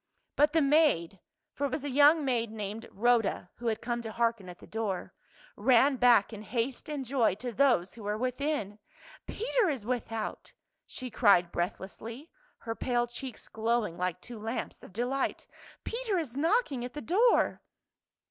But the maid — for it was a young maid named Rhoda who had come to hearken at the door — ran back in haste and joy to those who were within. " Peter is without !" she cried breathlessly, her pale cheeks glowing like two lamps of delight. " Peter is knocking at the door